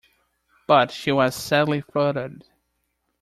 But she was sadly fluttered.